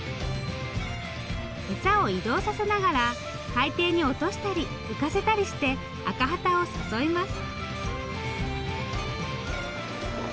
餌を移動させながら海底に落としたり浮かせたりしてアカハタを誘います。